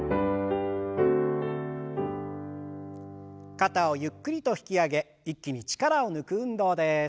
肩をゆっくりと引き上げ一気に力を抜く運動です。